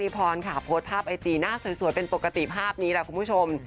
โพสต์ภาพไอจีน่าสวยสวยเป็นปกติภาพนี้แหละคุณผู้ชม